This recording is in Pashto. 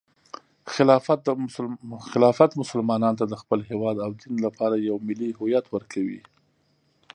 خلافت مسلمانانو ته د خپل هیواد او دین لپاره یو ملي هویت ورکوي.